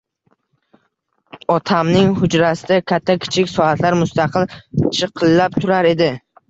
Otamning hujrasida katta-kichik soatlar muttasil chiqillab turar edi.